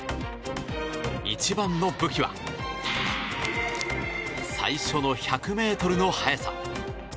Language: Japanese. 一番の武器は最初の１００ｍの速さ。